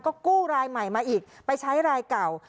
ก็กู้รายใหม่มาอีกไปใช้รายเก่า